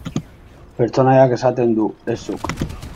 Pertsonaiak esaten du, ez zuk.